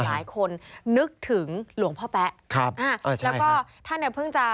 หลายคนนึกถึงหลวงพ่อแป๊ะครับอ่าใช่แล้วก็ท่านเนี่ยเพิ่งจะ